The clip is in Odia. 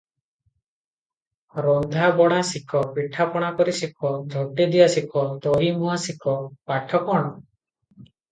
ରନ୍ଧା ବଢ଼ା ଶିଖ, ପିଠାପଣା କରି ଶିଖ, ଝୋଟିଦିଆ ଶିଖ, ଦହିମୁହାଁ ଶିଖ, ପାଠ କ’ଣ?”